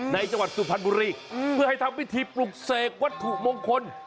จังหวัดสุพรรณบุรีเพื่อให้ทำพิธีปลุกเสกวัตถุมงคล